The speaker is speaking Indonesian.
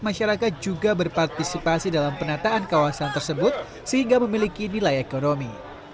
masyarakat juga berpartisipasi dalam penataan kawasan tersebut sehingga memiliki nilai ekonomi